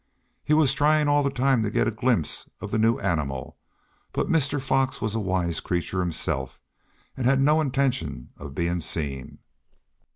He was trying all the time to get a glimpse of the new animal, but Mr. Fox was a wise creature himself and he had no intention of being seen.